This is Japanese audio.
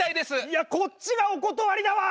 いやこっちがお断りだわ！